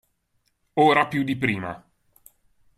Ora più di prima.